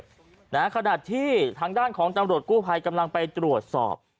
ขนาดที่ทางด้านของจังหลดกู้ภัยกำลังไปตรวจสอบ